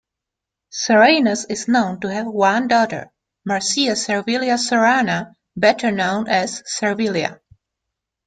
Soranus is known to have one daughter, Marcia Servilia Sorana, better known as "Servilia"